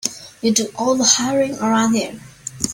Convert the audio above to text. You do all the hiring around here.